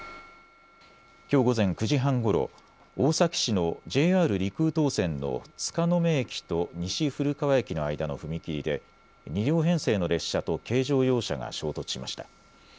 きょう午前９時半ごろ、大崎市のＪＲ陸羽東線の塚目駅と西古川駅の間の踏切で２両編成の列車と軽乗用車が衝突しました。